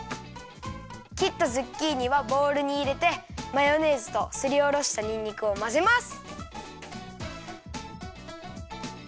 きったズッキーニはボウルにいれてマヨネーズとすりおろしたにんにくをまぜます。